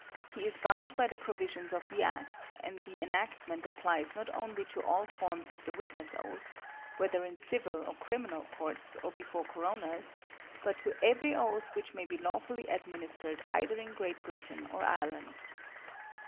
He is bound by the provisions of the Act, and the enactment applies not only to all forms of the witness oath, whether in civil or criminal courts, or before coroners, but to every oath which may be lawfully administered either in Great Britain or Ireland.